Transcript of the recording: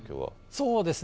そうですね。